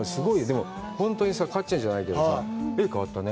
でも、本当にさぁ、かっちゃんじゃないけどさ、絵が変わったね。